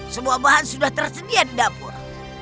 semua bahan sudah tersedia di dapur